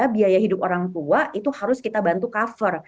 biaya hidup orang tua itu harus kita bantu cover